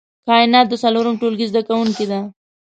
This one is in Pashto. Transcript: کاينات د څلورم ټولګي زده کوونکې ده